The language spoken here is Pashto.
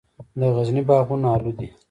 د غزني باغونه الو دي